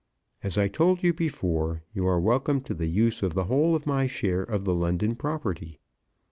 As I told you before, you are welcome to the use of the whole of my share of the London property.